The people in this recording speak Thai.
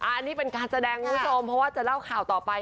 อันนี้เป็นการแสดงคุณผู้ชมเพราะว่าจะเล่าข่าวต่อไป